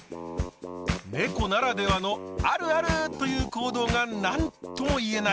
ねこならではの「あるある！」という行動が何とも言えない